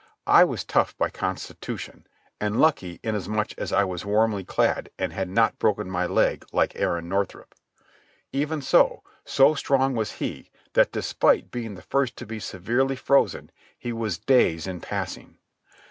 I was tough by constitution, and lucky inasmuch as I was warmly clad and had not broken my leg like Aaron Northrup. Even so, so strong was he that, despite being the first to be severely frozen, he was days in passing.